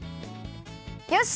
よし！